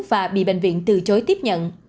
và bị bệnh viện từ chối tiếp nhận